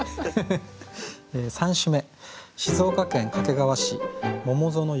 ３首目。